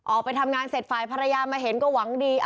ออกไปทำงานเสร็จฝ่ายภรรยามาเห็นก็หวังดี